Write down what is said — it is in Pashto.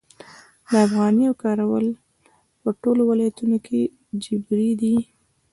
د افغانیو کارول په ټولو ولایتونو کې جبري دي؟